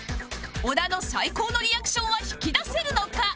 小田の最高のリアクションは引き出せるのか？